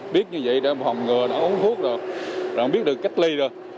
biết như vậy đã hòm ngừa đã uống thuốc rồi rồi biết được cách ly rồi